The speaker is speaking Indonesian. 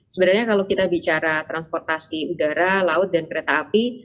sebenarnya kalau kita bicara transportasi udara laut dan kereta api